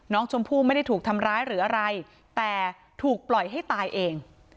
น้องชมพู่ไม่ได้ถูกทำร้ายหรืออะไรแต่ถูกปล่อยให้ตายเอง